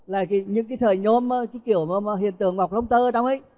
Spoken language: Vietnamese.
là những cái thời nhôm cái kiểu hiện tượng mọc lông tơ ở trong ấy